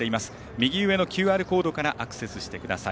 右上のＱＲコードからアクセスしてください。